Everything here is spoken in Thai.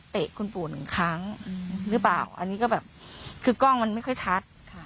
คุณปู่หนึ่งครั้งหรือเปล่าอันนี้ก็แบบคือกล้องมันไม่ค่อยชัด